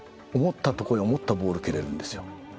思ったところに思ったボールを蹴れるんですよ。